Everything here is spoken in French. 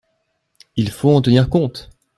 Il faut en tenir compte.